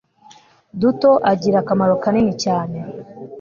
duto agira akamaro kanini cyane